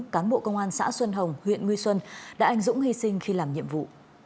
cán bộ công an xã xuân hồng huyện nguy xuân đã anh dũng hy sinh khi làm nhiệm vụ